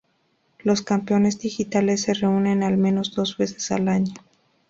Los Campeones Digitales se reúnen al menos dos veces al año.